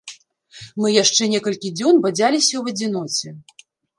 Мы яшчэ некалькі дзён бадзяліся ў адзіноце.